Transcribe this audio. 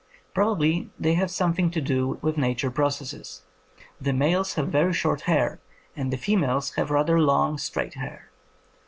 Probably they have something to do with Nature processes. The males have very short hair, and the females have rather long, straight hair."